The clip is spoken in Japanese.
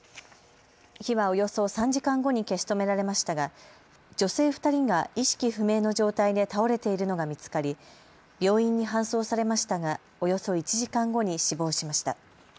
火はおよそ３時間後に消し止められましたが女性２人が意識不明の状態で倒れているのが見つかり病院に搬送されましたがおよそ１時間後に死亡しました。